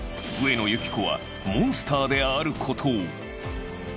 上野由岐子はモンスターであることを。